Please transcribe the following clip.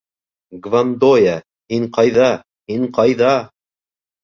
— Гвандоя, һин ҡайҙа, һин ҡайҙа?